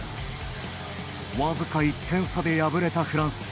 わずか１点差で敗れたフランス。